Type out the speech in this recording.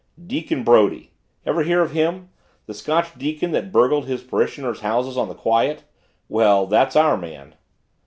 Deacon Brodie ever hear of him the Scotch deacon that burgled his parishioners' houses on the quiet? Well that's our man."